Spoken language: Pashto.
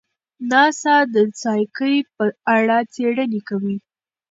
ناسا د سایکي په اړه څېړنې کوي.